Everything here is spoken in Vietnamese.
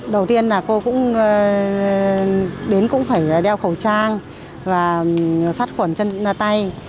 đầu tiên là cô cũng đến cũng phải đeo khẩu trang và sát khuẩn chân tay